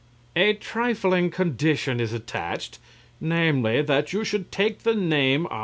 "A trifling condition is attached namely, that you should take the name of Wurzel Flummery."